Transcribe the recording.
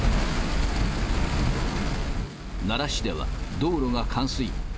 奈良市では、道路が冠水。